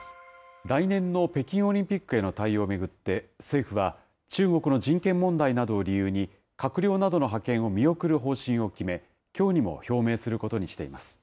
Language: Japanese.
来年の北京オリンピックへの対応を巡って、政府は、中国の人権問題などを理由に、閣僚などの派遣を見送る方針を決め、きょうにも表明することにしています。